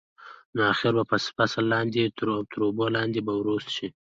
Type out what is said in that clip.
نو اخر به فصل لاندې او تر اوبو لاندې به وروست شي.